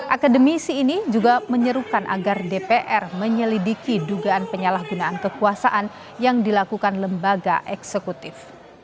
akademisi ini juga menyerukan agar dpr menyelidiki dugaan penyalahgunaan kekuasaan yang dilakukan lembaga eksekutif